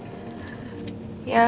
nggak juga sih ya bi